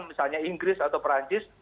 misalnya inggris atau perancis